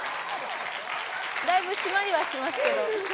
だいぶ締まりはしますけど。